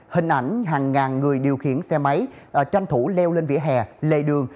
hình ảnh hàng ngàn người điều khiển xe máy tranh thủ leo lên vỉa hè lệ đường